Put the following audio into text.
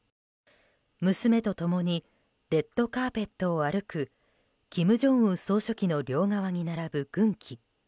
娘と共にレッドカーペットを歩く金正恩総書記の両側に並ぶ軍旗。